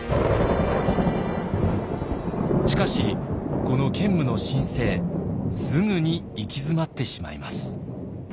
しかしこの建武の新政すぐに行き詰まってしまいます。